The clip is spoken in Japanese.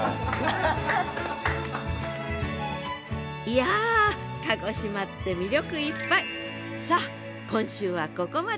いや鹿児島って魅力いっぱい！